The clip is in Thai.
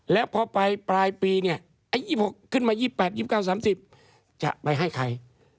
แล้วพอไปปลายปีขึ้นมา๒๘๓๐จะไปให้ใคร